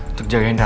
untuk jagain darah